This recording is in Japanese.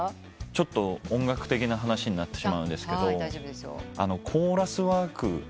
ちょっと音楽的な話になってしまうんですけどコーラスワーク。